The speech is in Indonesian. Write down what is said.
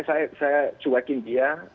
dan saya cuekin dia